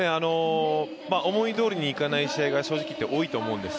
思いどおりにいかない試合が正直言って多いと思うんです。